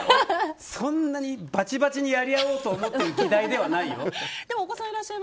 そんなにバチバチにやり合おうと思ってる議題ではないよ。